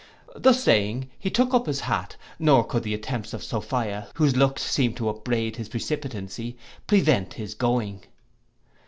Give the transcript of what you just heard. Thus saying, he took up his hat, nor could the attempts of Sophia, whose looks seemed to upbraid his precipitancy, prevent his going.